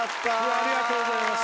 ありがとうございます。